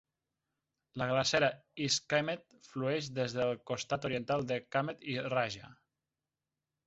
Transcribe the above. La glacera East Kamet flueix des del costat oriental de Kamet i Raja.